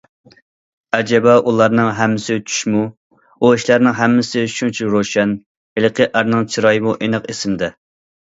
ئەجەبا ئۇلارنىڭ ھەممىسى چۈشمۇ؟ ئۇ ئىشلارنىڭ ھەممىسى شۇنچە روشەن، ھېلىقى ئەرنىڭ چىرايىمۇ ئېنىق ئېسىمدە.